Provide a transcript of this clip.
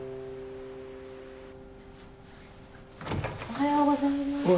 おはようございます。